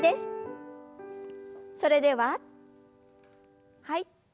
それでははい。